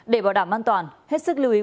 để bảo đảm an toàn hết sức lưu ý quý vị